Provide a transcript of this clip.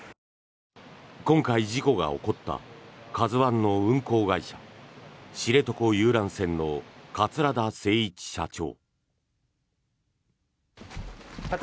今回、事故が起こった「ＫＡＺＵ１」の運航会社知床遊覧船の桂田精一社長。